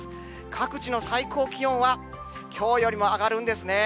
各地の最高気温はきょうよりも上がるんですね。